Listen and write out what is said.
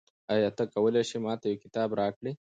آیا ته کولای شې ما ته یو کتاب راکړې؟